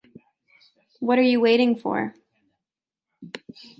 What You Waiting For?